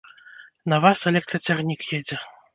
На вас электрацягнік едзе.